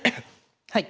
はい。